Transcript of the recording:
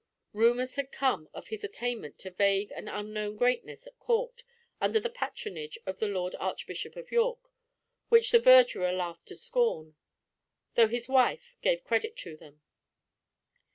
Rumours had come of his attainment to vague and unknown greatness at court, under the patronage of the Lord Archbishop of York, which the Verdurer laughed to scorn, though his wife gave credit to them.